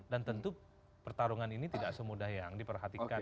dan tentu pertarungan ini tidak semudah yang diperhatikan